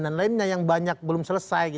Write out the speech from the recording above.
dan lainnya yang banyak belum selesai